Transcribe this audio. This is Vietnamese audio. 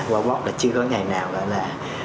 wabox chưa có ngày nào gọi là